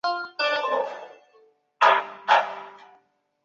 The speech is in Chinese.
该组织在政治上属于建制派。